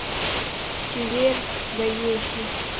چې وېر به يې شي ،